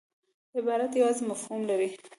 عبارت یوازي یو مفهوم لري.